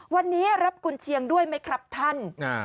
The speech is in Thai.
วันนี้รับกุญเชียงด้วยไหมครับท่าน